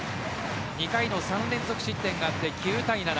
２回の３連続失点があって９対７。